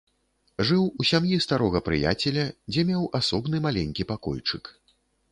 Жыў у сям'і старога прыяцеля, дзе меў асобны маленькі пакойчык.